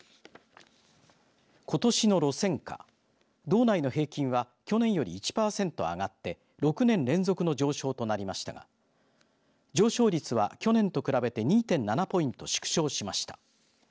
ことしの路線価道内の平均は去年より１パーセント上がって６年連続の上昇となりましたが上昇率は、去年と比べて２．７ポイント縮小しました。